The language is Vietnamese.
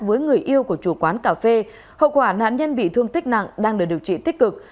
với người yêu của chủ quán cà phê hậu quả nạn nhân bị thương tích nặng đang được điều trị tích cực